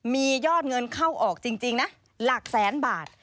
มียอดเงินเข้าออกจริงนะหลักแสนบาท